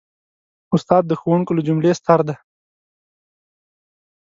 استاد د ښوونکو له جملې ستر دی.